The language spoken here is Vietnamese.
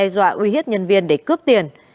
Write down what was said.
và đe dọa uy hiếp nhân viên để cướp tiền